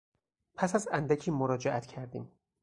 پس از اندکی مراجعت کردیم.